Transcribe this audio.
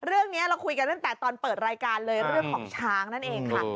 เรื่องนี้เราคุยกันตั้งแต่ตอนเปิดรายการเลยเรื่องของช้างนั่นเองค่ะ